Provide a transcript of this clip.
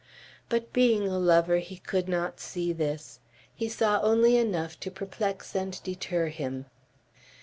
But being a lover, he could not see this. He saw only enough to perplex and deter him.